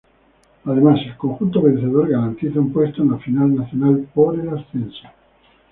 Además, el conjunto vencedor garantiza un puesto en la final nacional por el ascenso.